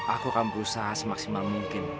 aku akan berusaha semaksimal mungkin